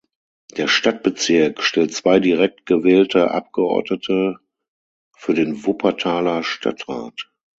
Der Stadtbezirk stellt zwei direkt gewählte Abgeordnete für den Wuppertaler Stadtrat.